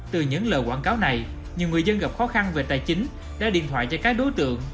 từ những lời quảng cáo này nhiều người dân gặp khó khăn về tài chính đã điện thoại cho các đối tượng